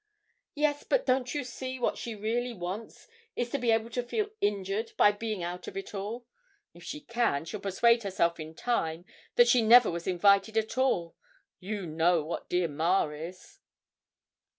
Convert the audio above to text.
'Yes, but don't you see what she really wants is to be able to feel injured by being out of it all if she can, she'll persuade herself in time that she never was invited at all; you know what dear ma is!'